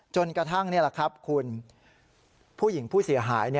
จนกระทั่งนี่แหละครับคุณผู้หญิงผู้เสียหาย